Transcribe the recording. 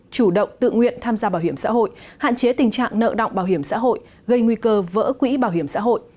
chủ động tự nguyện tham gia bảo hiểm xã hội hạn chế tình trạng nợ động bảo hiểm xã hội gây nguy cơ vỡ quỹ bảo hiểm xã hội